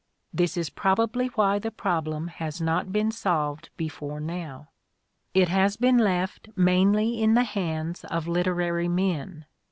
This is probably why the problem has not been solved before now. It has been left mainly in the hands of literary men.